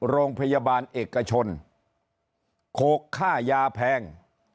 โรงพยาบาลเอกชนโขกค่ายาแพง